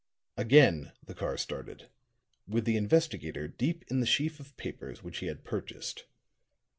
Again the car started with the investigator deep in the sheaf of papers which he had purchased.